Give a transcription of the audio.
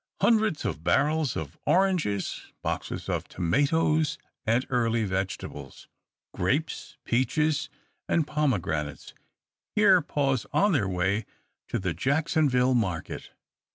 Hundreds of barrels of oranges, boxes of tomatoes and early vegetables, grapes, peaches, and pomegranates, here pause on their way to the Jacksonville market.